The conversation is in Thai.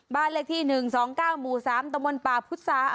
บ้านเลขที่๑๒๙หมู่๓ตมป่าพุทธศาสตร์